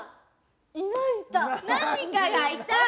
何かがいた？